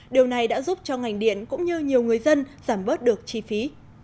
điều này đã giúp cho ngành điện cũng như nhiều người dân giảm bớt được chi phí